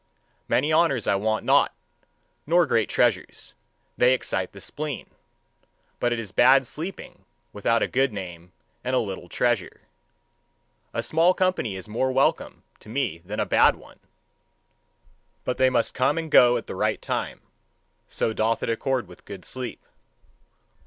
Many honours I want not, nor great treasures: they excite the spleen. But it is bad sleeping without a good name and a little treasure. A small company is more welcome to me than a bad one: but they must come and go at the right time. So doth it accord with good sleep.